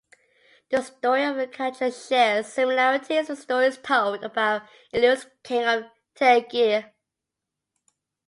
The story of Catreus shares similarities with stories told about Aleus, king of Tegea.